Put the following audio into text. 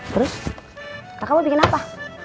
terus kau bikin apa